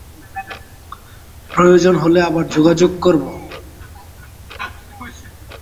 প্রয়োজন হলে আবার যোগাযোগ করব।